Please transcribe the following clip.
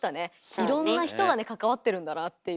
いろんな人がね関わってるんだなあっていう。